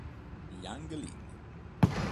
Yang Lin